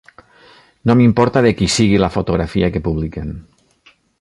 No m'importa de qui sigui la fotografia que publiquen.